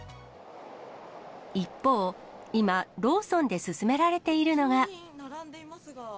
一方、今、ローソンで進められているのが。